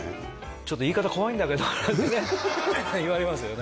ちょっと言い方怖いんだけどなんてね言われますよね